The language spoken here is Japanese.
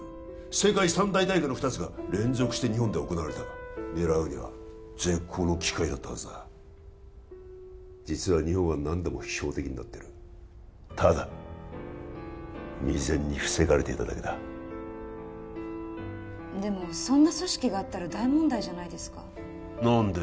世界三大大会の二つが連続して日本で行われた狙うには絶好の機会だったはずだ実は日本は何度も標的になってるただ未然に防がれていただけだでもそんな組織があったら大問題じゃないですか何で？